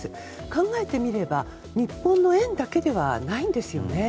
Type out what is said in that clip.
考えてみれば日本の円だけではないんですよね。